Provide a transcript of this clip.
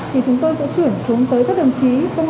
thì chúng tôi sẽ chuyển chúng tới các đồng chí công an